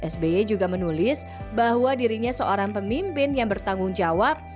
sby juga menulis bahwa dirinya seorang pemimpin yang bertanggung jawab